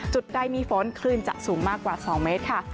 จุดใดมีฝนคลื่นจะสูงมากกว่า๒เมตรค่ะ